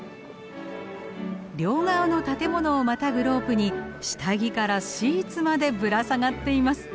両側の建物をまたぐロープに下着からシーツまでぶら下がっています。